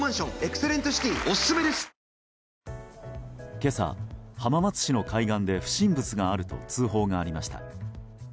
今朝、浜松市の海岸で不審物があると通報がありました。